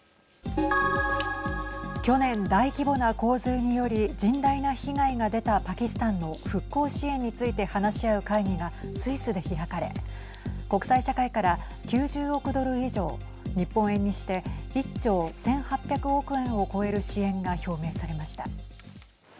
去年、大規模な洪水により甚大な被害が出たパキスタンの復興支援について話し合う会議がスイスで開かれ国際社会から９０億ドル以上日本円にして１兆１８００億円を超える支援が表明されました。